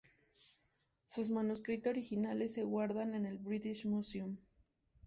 Sus manuscritos originales se guardan en el British Museum.